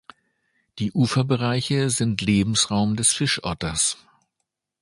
Die Uferbereiche sind Lebensraum des Fischotters.